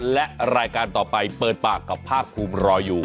และรายการต่อไปเปิดปากกับภาคภูมิรออยู่